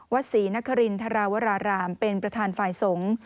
ศรีนครินทราวรารามเป็นประธานฝ่ายสงฆ์